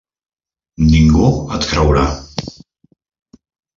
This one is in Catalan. Ningú et creurà.